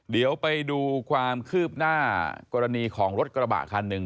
เดี๋ยวไปดูความคืบหน้ากรณีของรถกระบะคันหนึ่ง